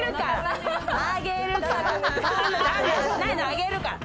あげるから！